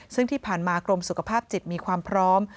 ซึ่งที่ผ่านมากรมสุขภาพจิตมีความพร้อม